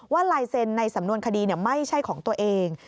ลายเซ็นในสำนวนคดีไม่ใช่ของตัวเอง